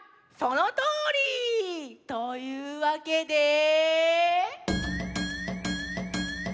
そのとおり！というわけで。